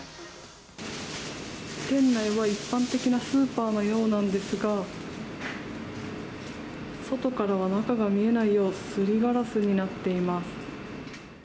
店内は一般的なスーパーのようなんですが、外からは中が見えないよう、すりガラスになっています。